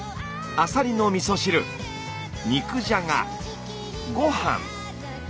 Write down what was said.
あさりのみそ汁肉じゃがご飯。